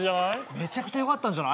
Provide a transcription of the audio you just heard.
めちゃくちゃよかったんじゃない？